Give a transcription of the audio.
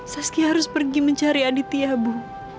saski harus pergi mencari aditya bu